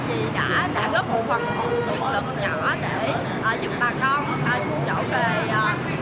thì chúng tôi cảm thấy rất là vững khởi